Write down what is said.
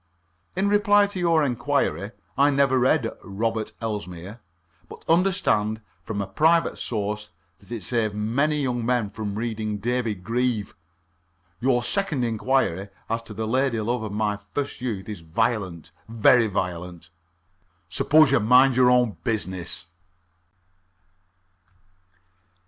"In reply to your inquiry, I never read 'Robert Elsmere,' but understand from a private source that it saved many young men from reading 'David Grieve.' Your second inquiry as to the lady love of my first youth is violent very violent. Suppose you mind your own business."